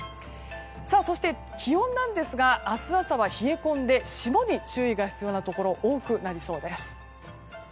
そして気温なんですが明日朝は冷え込んで霜に注意が必要なところ多くなりそうです。